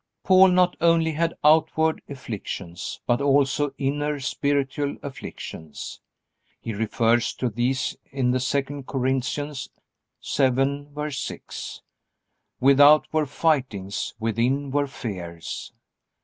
Paul not only had outward afflictions but also inner, spiritual afflictions. He refers to these in II Corinthians 7:6, "Without were fightings, within were fears."